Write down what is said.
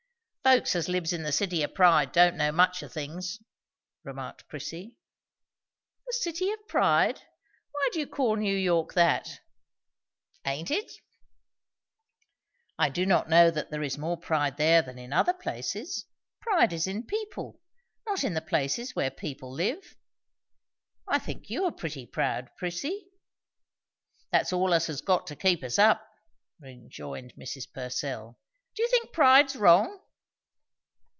"Folks as lives in the City o' Pride don't know much o' things!" remarked Prissy. "The City of Pride. Why do you call New York that?" "Aint it?" "I do not know that there is more pride there than in other places. Pride is in people not in the places where people live. I think you are pretty proud, Prissy." "That's all us has got to keep us up," rejoined Mrs. Purcell. "Do you think pride's wrong?"